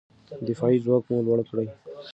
دفاعي ځواک مو لوړ کړئ.